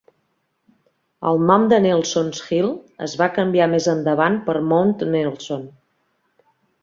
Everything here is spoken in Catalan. El nom de 'Nelson's Hill' es va canviar més endavant per Mount Nelson.